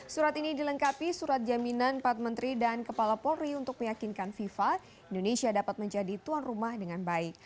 surat ini dilengkapi surat jaminan pak menteri dan kepala polri untuk meyakinkan fifa indonesia dapat menjadi tuan rumah dengan baik